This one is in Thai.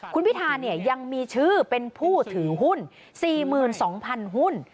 คุณพิธายังมีชื่อเป็นผู้ถือหุ้น๔๒๐๐๐หุ้น